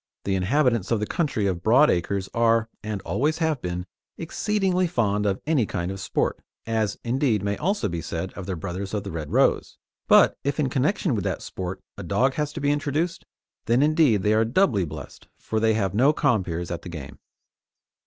The inhabitants of the country of broad acres are, and always have been, exceedingly fond of any kind of sport as, indeed, may also be said of their brothers of the Red Rose but if in connection with that sport a dog has to be introduced, then indeed are they doubly blessed, for they have no compeers at the game.